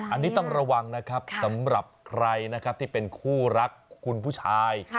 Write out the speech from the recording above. อันนี้ต้องระวังนะครับสำหรับใครนะครับที่เป็นคู่รักคุณผู้ชาย